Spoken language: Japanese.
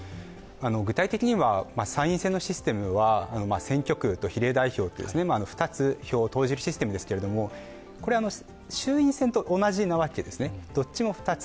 具体的には参院選のシステムは、選挙区と比例代表区２つ票を投じるシステムですけれども、衆院選と同じなわけですね。